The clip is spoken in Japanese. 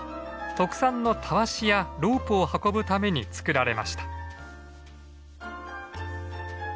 特産のたわしやロープを運ぶために作られました。